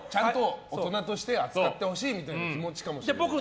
大人として扱ってほしいみたいな気持ちかも。